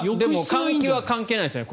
換気は関係ないですね。